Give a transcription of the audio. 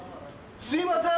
すいません！